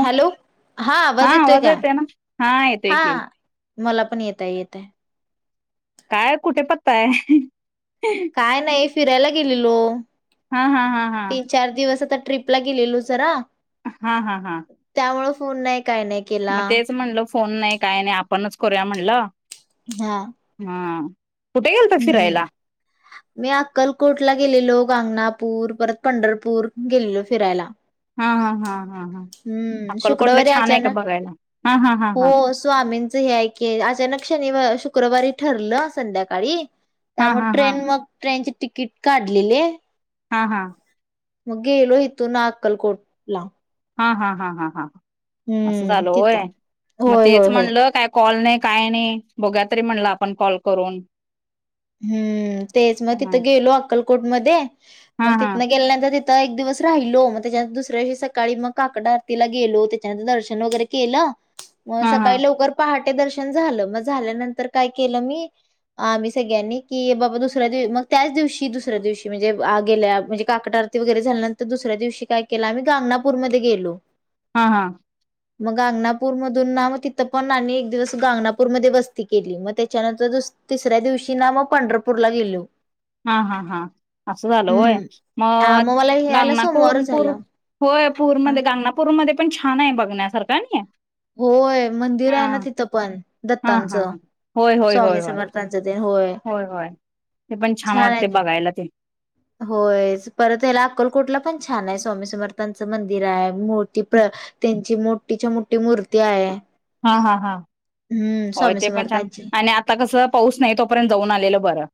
Hello हा आवाज येतोय काय हा मला पण येतय येतय काय कुठे पत्ताय काय नाही फिरायला गेलेलो हा हा हा तीन हा चार दिवस आता ट्र्रीपला गेलेलो जरा हा हा हा त्यामुळे फोन नाही काय नाही केला मग तेच म्हणल फोन नाही काय नाही आपणच करूया म्हणलं हा हा कुठे गेलता फिरायला हम्म मी अक्कलकोटला गेलेलो गाणंगपूर परत पंढरपूर गेलेलो फिरायला. हा हा हा हा. हम्म अक्कलकोटला शुक्रवारी छान आहे का अचानक बघायला हा हा हा हो हा स्वामींच हे ऐक अचानक क्ष शुक्रवारी ठर संध्याकाळी हा त्यामुळे हा हा ट्रेन म ट्रेनचे तिकीट काढलेले. हा हा. मग गेलो हितून अक्कलकोटला. हा हा हा हा असं हम्म झालं तिथं होय, मग होय, होय, तेच होय. म्हणलं काय कॉल नाही. काय नाही बोघुया तरी म्हणलं आपण कॉल करून. हम्म तेच मग हा तिथं गेलो अक्कलकोट मध्ये मग हा हा तिथनं गेल्यानंतर तिथ आता एक दिवस राहिलो मग त्याच्या दुसऱ्याव सकाळी मग काकड आरतीला गेलो त्याच्यानंत दर्शन वगैरे केलं. मग हा हा सकाळी लवकर पहाटे दर्शन झालं मग झाल्यानंतर काय केलं मी आम्ही सगळ्यांनी की बाबा दुसऱ्या दिव मग त्याच दिवशी दुसऱ्या दिवशी म्हणजे आ गेल्या म्हणजे काकडा आरती वगैरे झाली. नंतर दुसऱ्या दिवशी काय केलं आम्ही गांगनापूर मध्ये गेलो. हा हा. मग गांगनापूर मधून ना मग तिथं पण एक दिवस गांगनापूर म वस्ती केली मग त्याच्यानंतर दुस तिसऱ्या दिवशी ना मग पंढरपूरला गेलो. हा हा हा असं झालं होय. हम्म हा मग मला हे यायला गांगनापूर सोमवार पूर झाला होय पूरमध्ये गगना होय मंदिर आहे ना तिथं पण हा हा दत्तांचं हा. होय होय होय स्वामी होय समर्थांचं होय होय ते पण छान वाटते बघायला ते. होयच परत याला अक्कलकोटला. पण छाने स्वामी समर्थांचं मंदिर आहे मूर्ती प्र त्यांची मोठीच्या मो ठी मूर्ती आहे. हा हा हा. हम्म होय स्वामी ते पण छान समर्थांची आणि आता कस पाऊस नाही तोपर्यंत जाऊन आलेलं बरं.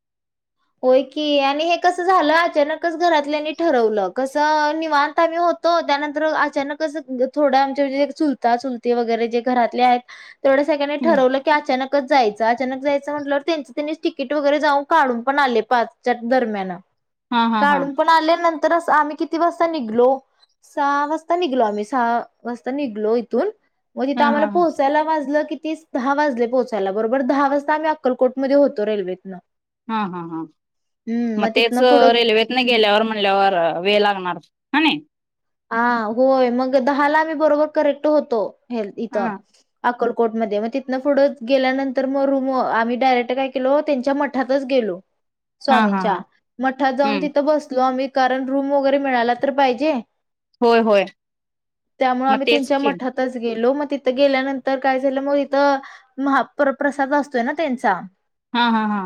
होय की आणि हे कस झालं अचानकच घरातल्यानी ठरवलं कस निवांत आम्ही हो होत त्यानंतर अचानकच थोड आमच्या म्हणजे चुलता चुलती वगैरे जे घरातले आहेत. तेवढं सगळ्यांनी हम्म ठरवलं की अचानकच जायचं अचानक जायचं म्हटलंवर त्यांचं त्यांनीच तिकीट वगैरे जाऊन काढून पण आले पाच दरम्यान हा हा हा काढून पण आल्यांन तर आम्ही किती वाजता निघलो. सहा वाजता निघलो आम्ही सहा वाजता निघलो इथून, म तीथ हा आम्हाला हा हा. पोचायला वाजलं कि तीस दहा वाजले पोहोचायला, बरोबर दहा वाजता आम्ही अक्कलोटमध्ये होतो रेल्वेतन. हा हा हा. हम्म मग तेच तिथनं पुढं रेल्वेत नाही गेल्यावर म्हणल्यावर वेळ लागणारच कनी. हा होय मग दहाला आम्ही बरोबर करेक्ट होतो हेल् इथ हा आकल कोटमध्ये म तिथनं पुढं गेल्यानंतर मग रूम आम्ही डायरेक्ट काय केलो त्यांच्या मठातच गेलो. हा हा हा. स्वामींच्या मठात जाऊन हम्म तिथं बसलो, आम्ही कारण रूम वगैरे मिळाला तर पाहिजे? होय होय त्यामुळं मग आम्ही तेच त्यांच्या की. मठातच गेलो, म तिथं गेल्यानंतर काय झालं, म तिथं महापरप्रसाद असतोय ना त्यांचा हा, हा, हा.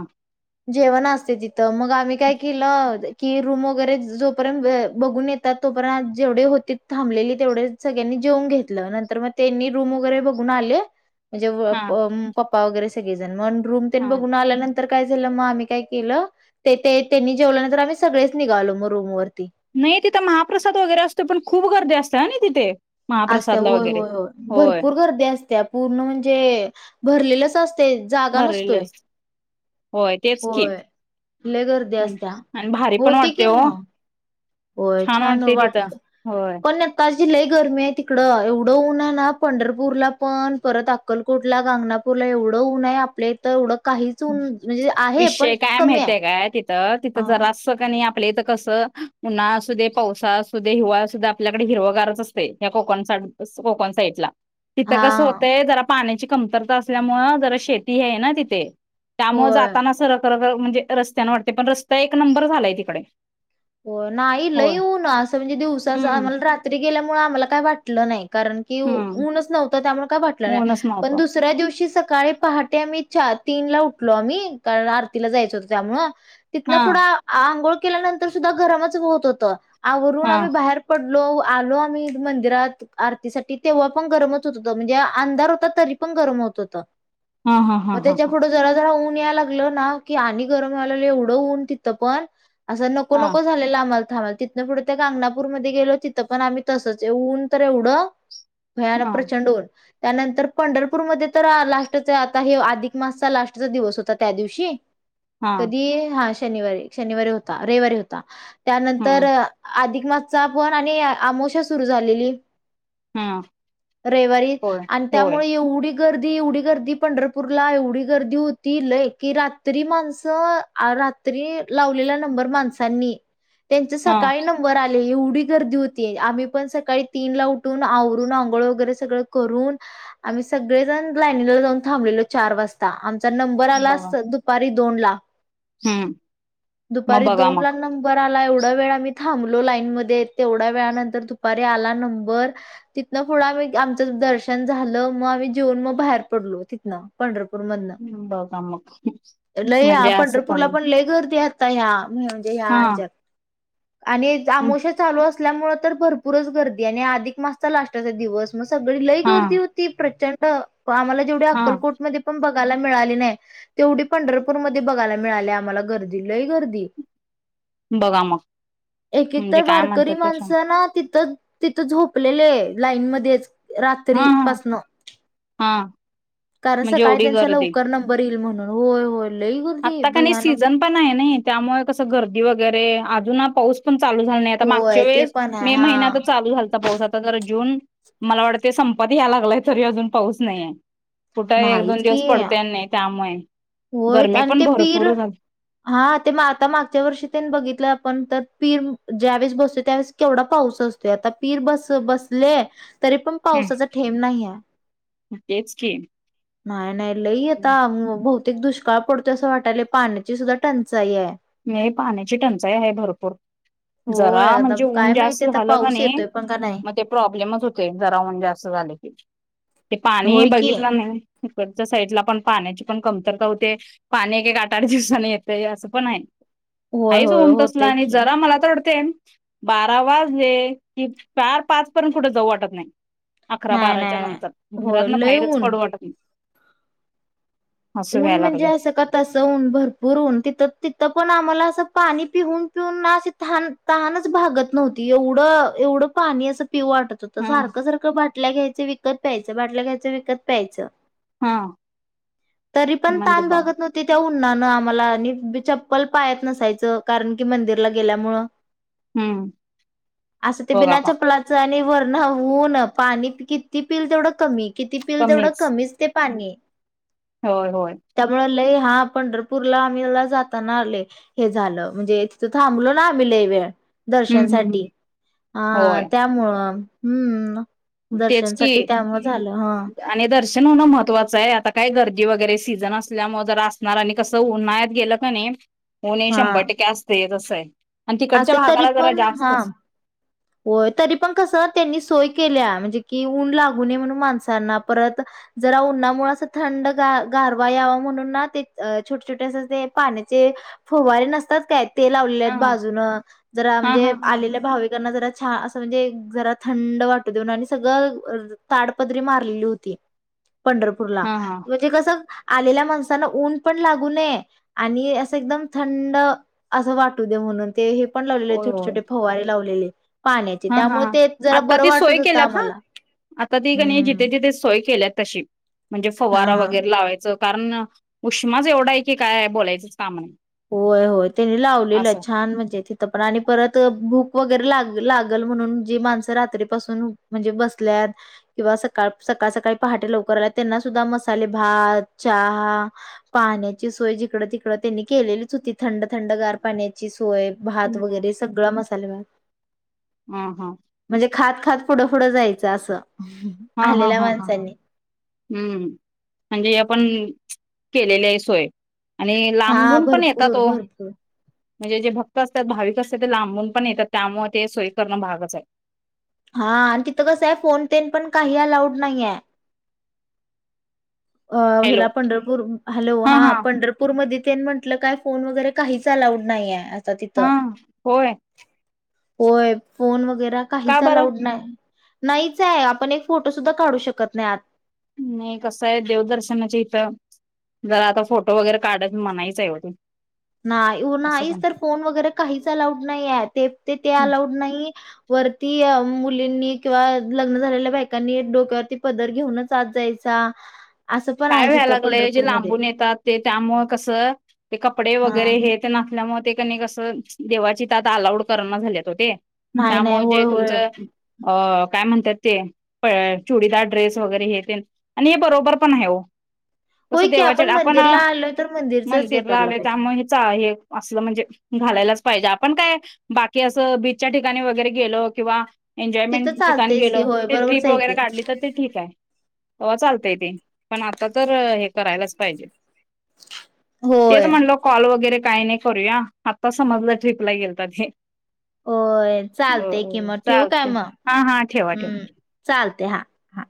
जेवण असते तिथं, मग आम्ही काय केलं की, रूम वगैरे जोपर्यंत बघून येतात तोपर्यंत जेवढे होतीत थांबलेली, तेवढे सगळ्यांनी जेऊन घेतलं, नंतर मग त्यांनी रूम वगैरे बघून आले. म्हणजे हा. म पप्पा वगैरे सगळेजण, मग रूम ते हा. बघून आल्यानंत तर काय झालं, मग आम्ही काय केलं, ते ते त्यांनी जेवल्यानंतर आम्ही सगळेच निघालो मग रूमवर. नाही तिथं महाप्रसाद वगैरे असतो, पण खूप गर्दी असतेय ना तिथे? असत्या महाप्रसादला होय, वगैरे होय, होय भरपूर गर्दी असत्या पूर्ण म्हणजे भरलेलंच अस ते, जागा भरलेले नसतोय असते होय तेच की व्हय लय गर्दी असत्या, आणि भारी पण होती वाटते की हो म होय, छान वाटते तिथं वाटलं, होय पण मजी लय गरमी आहे तिकडं, एवढं ऊन हाय ना, पंढरपूरला पण, परत अक्कलकोटला गांगना एवढं, ऊन हाय आपल्या इथं एवढं काहीच ऊन म्हणजे आहे विषय पण काय कमी आहे. माहितय काय, तिथं, तिथं जरासं क नाय आप आपल्या इथं कसं, उन्हाळा असू दे, पावसाळा असू दे, हिवाळा असू दे, आपल्याकडे हिरवगारच असतंय या कोकण कोकण साइटला तिथं कसं हा होतय, जरा पाण्याची कमतरता असल्यामुंळ, जरा शेती हे ना तिथे त्यामुळे होय. जाताना सर [unintelligible] म्हणजे रस्त्याने वाटतय, पण रस्ता एक नंबर झालाय तिकडे हो, नाही होय लई ऊन असं, म्हणजे दिवसाचं, हम्म आम्हाला रात्री गेल्यामुळे आम्हाला काय वाटलं नाही. कारण की हम्म ऊनच नव्हतं त्यामुळे काय वाटलं नाय, ऊनच पण नव्हतं दुसऱ्या दिवशी सकाळी पहाटे आम अच्छा तीन ला उठलो आम्ही, कारण आरतीला जायचं होतो त्यामुळं, तिथन हा पुुढं आंघोळ केल्यानंतर सुद्धा गरमच होत होतं, आवरून हा आम्ही बाहेर पड लो आलो आम्ही मंदिरात आरतीसाठी, तेंव्हा पण गरमच होत होतं, म्हणजे अंधार होता तरी पण खूप गरम होत, होतं. हा हा हा म हा हा त्याच्यापुठ जरा जरा ऊन ऊन याला लागलं ना, की आणि गरम व्हायला लागलं, एवढं ऊन तिथंपण असं नको, हा नको झालेलं आम्हाला थांबाय तिथनं पुढे त्या गागनापूरमध्ये गेलो तिथं पण आम्ही तसंच, ऊन तर एवढं भयानक हा प्रचंड ऊन त्यानंतर पंढरपूरमध्ये तर लास्टच, आता हे अधिक मासचा लास्टचा दिवस होता, त्या दिवशी हा कधी हा शनिवारी शनिवारी होता, रविवारी होता त्यानंतर हम्म अधिक माासचा पण आणि आमोशा सुरू झालेली हा रविवारी होय आणि होय त्यामुळे एवढी गर्दी, एवढी गर्दी, पंढरपूरला एवढी गर्दी होती लय की रात्री माणसं आर रात्री लावलेला नंबर माणसांनी त्यांचे हा सकाळी नंबर आले एव ढी गर्दी होती, आम्ही पण सकाळी तीनला उठून, आवरून, अंघोळ वगैरे सगळं करून आम्ही सगळेजण लाईनीला जाऊन थांबलेलो चार वाजता त नंबर आला बघा असतं दुपारी दोनला हम्म, म, बघा ला मग नंबर आला, एवढा वेळ आम्ही थांबलो लाईनमध्ये, तेवढ्या वेळ्यानंतर, दुपारी आला नंबर तिथंन पुढं आम्ही आमचं दर्शन झालं, म आम्ही जेऊन म बाहेर पडलो, तिथनं पंढरपूर पंढरपूरमधन, बघा मग लय आ म्हणजे असं पंढरपूरला पण लय गर्दी तया नाही म्हणजे हया हा ह्याच्यात आणि हं, आमोशा चालू अस असल्यामुळं तर भरपूरच गर्दी आणि आधिक मासचा लास्टाचा दिवस मग सगळी लई हा गर्दी होती प्रचंड, म आम्हाला जेवढी हा अक्कलकोटमध्ये पण बघ बघायला मिळाली नाय, तेवढी पंढरपूर मध्ये बघायला मिळाली, आम्हाला गर्दी, लय गर्दी बघा मग एक, एक तर म्हणजे काय वारकरी म्हणतात तशा माणसं ना, तिथं तिथं झोपलेले लाईनमध्येध्येच. हा हा रात्रीपासन हा कारण म्हणजे सकाळी एवढी त्यांचा लवकर नंबर येईल म्हण. होय होय. लई गर्दी आता का नाही भयानक सीझन पण आहे ना त्यामुळे कसं गर्दी वगैरे अजून पाऊस पण.. चाल झाता होय मागच्या ते वेळेस पण आहे मे महिन्यात हा चाल झालचा पाऊस आता ज जून.. मला वाटतते संपत याय लागलाय तरी अजून पाऊस नाहीय. कुठे एक दोन नाहीच की दिवस पडते नाही त्यामुळे. होय गरमी आणि पण ते पीर भरपूर झाली हा ते आता मागच्या वर्षी ते बघितलं आपण तर! पीर ज्यावेळेस बसतोय त्यावेळेस केवढा पाऊस असतोय आता पीर बस बसले.. तरी पण हं, पावसाचा ठेब नाही आहे. तेच की! नाही नाही लई आता बहुतेक दुष्काळ पडतोय असं वाटायला पाण्याची सुद्धा टंचाई आहे. म पाण्याची टंचाई आहे भरपूर.. जरा होय आता म्हणजे ऊन काय जास्त माहिती आता झालं ग पाऊस नाइ येतोय पण का नाही मग ते प्रॉब्लेमच होतय जरा उन जास्त झालं की, ते पाणी होय की बघितलं नाही. च्या साईडला पण पाण्याची पण कमतरता होतेय, पाणी एक एक आठ आठ दिवसानी येतयं असं पण आहे. होय हायचं होय उन तसल होतय आणि की जरा मला तर वाट तेन बारा वाजले कि चार पाच पर्यंत कुठे जाऊ वाटत नाही. अकरा नाही बाराच्या नाही नाही नंतर होय घरातन लय बाहेरच ऊन पडू वाटत नाही. असं ऊन व्हायला म्हणजे लागले असं क तस ऊन भरपूर ऊन ति तिथं पण आम्हाला पाणी पिऊन पिऊन ना तान तहानंच भागत नव्हती एवढं एवढं पाणी असं पिऊ वाटत होत हा सारखं सारखं बाटल्या घ्यायचे विकत प्यायचं बाटल्या घ्यायच्या विकत प्यायचं. हा. तरी पण म्हणजे ताण बा भागत नव्हती त्या ऊ न्हानं आम्हाला आणि चप्पल पायात नसायचं कारण की मंदिरला गेल्यामुळं. हम्म अस ते बघा बिना बा चपलाचं आणि वर होऊ ना पाणी किती पिल तेवढं कमी किती पिल तेवढं कमीच ते पानी. होय होय. हा पंढरपूरला आम्हीला जाताना लय हे झालं म्हणजे तिथं थांबलो ना आम्ही लय वेळ. हम्म हम्म दर्शनसाठी अआ होय त्यामुळं हम्म. तेच दर्शनसाठी कि त्यामुळे झालं हा आणि दर्शन होणं महत्वाचंय आता काय गर्दी वगैरे स सीजन असल्यामुळं जरा असणार आणि कसं उन्हाळत गेलं क नाई ऊन हे हा शंभर टक्के असतयचं. असे तरी पण हा होय तरी पण कस त्यांनी सोय केलीया म्हणजे कि उन लागू नये म्हणुन माणसांना परत जरा उन्हामुळं अस थंडगा ग गारवा यावा म्हणून ना अ ते छोटे छोटे असं ते पाण्याचे फवारे नसतात काय? ते लावलेले हा आहेत बाजून जरा हा म्हणजे हा हा आलेल्या भाविकांना जरा छान असं म्हणजे जरा थंड वाटू देऊन आणि सगळं ताडपदरी मारलेली होती. [inaudible] पंढरपूरला हा हा म्हणजे कसं हा आलेल्या माणसाांना ऊन पण लागू नये आणि असं एकदम थंड असं वाटू दे म्हणून. ते हे पण लावलेले होय छोटे होय छोटे फवारे लावलेले. पाण्याचे हा हा त्यामुळे ते जरा आता बरं ती सोय वाटत होतं केल्यात हा. आम्हाला आता ती कनय हम्म जिथे जिथे सोय केल्यात तशी म्हणजे फवारा हा वगैरे लावायचं कारण उष्माच एवढाय आहे की काय बोलायचंच काम नाही. होय होय त्यांनी लावलेलं असं छान म्हणजे तिथं पण आणि परत भूक वगेर लाग लागल म्हणून जे माणसं रात्री पासून म्हणजे बसल्यात किंवा सकाळ सकाळ सकाळी पहाटे लवकर आल्यात त्यांना सुधा मसाले भात, चहा, पाण्याची सोय जि कडं तिकडं त्यांनी केलेलीच होती थंड थंड गार पाण्याची सो य भात हम्म हम्म वगेरे सगळा मसाले भात हा हा म्हणजे खात खा त पुढं पुढं जायचं असं हा हा आलेल्या हा हा माणसांनी हम्म म्हणजे आपण केलेली आहे सोय. आणि हा लांबून पण येतात भरपूर ओ भरपूर म्हणजे जे भक्त अस भाविक असते ते लांबून पण येतात त्यामुळे ते सोयी करणं भागचं आहे. हा आणि तिथं कसंयं फोन तेन पण काही अलाऊड नाहीये. अ हॅलो हला पंढरपूर हॅलो हा पंढरपूरमध्ये म्हटलं काय फोन वगैरे काहीच अलाउड नाहीये. आता तिथं. हा होय. होय फोन वगैरा का काहीच बरं? अलाउड ना नाहीच आहे आपण एक फोटोसुद्धा काढू शकत नाही आत नाही कसं आहे देवदर्शनाच्या इथं जरा आता फोटो वगैरे काढायच मनाईच आहे ओ ते. नाही असं नाही पण तर फोन वगैरे काहीच अलाउड नाही आहे अलाउड नाही वरती मुलींनी किंवा लग्न झालेल्या बायकांनी डोक्यावरती पदर घेऊनच आत जायचा असं पण काय आहे व्हायला तिथं लागलंय जे पंढरपूरमध्ये. लांबून येतात ते त्यामु कसं ते कपडे वगैरे हां, हे ते नाचल्यामुळे मग ते कनी कसं देवाची तत अलाउड करण झालेत होते नाही नाही. त्यामुळे जे होय होय. तुमचं अ काय म्हणतात ते प चुडीदार ड्रेस वगैरे हे ते आणि हे बरोबर पण आहे होय कसं की देवाच्या आपण मंदिरला आलोय तर मंदिरचंच हे मंदिर करायला लावले पाहिजे. त्यामुळे हे अस म्हणजे घालायलाच पाहिजे आपण काय बाकी असं बीचच्या ठिकाणी वगैरे गेलो किंवा एन्जॉयमेंट तिथं ठिकाण चालतेच गेल की होय ते बरोबरच ट्रिप आहे की वगैरे काढली तर ते ठीक आहे हो चालतय ते पण आता तर हे करायलाच पाहिजे तेच होय म्हणलो कॉल वगैरे काही नाही करूया आता समजला ट्र्रीपला गेलत होय चालते कि मग ठेव काय चालते मग हा हा ठेवा ठेवा हम्म चालते हा हा